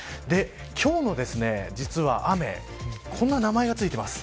今日の実は雨こんな名前がついています。